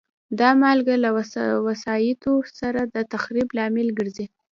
دا مالګه له وسایطو سره د تخریب لامل ګرځي.